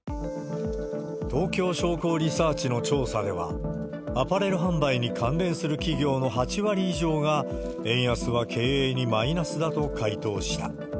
東京商工リサーチの調査では、アパレル販売に関連する企業の８割以上が、円安は経営にマイナスだと回答した。